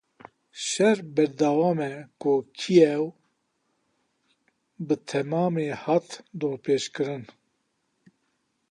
Şer berdewam e û Kîev bi temamî hat dorpêçkirin.